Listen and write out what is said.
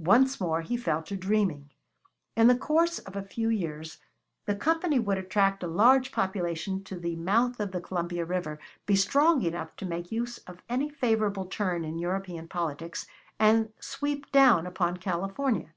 Once more he fell to dreaming. In the course of a few years the Company would attract a large population to the mouth of the Columbia River, be strong enough to make use of any favorable turn in European politics and sweep down upon California.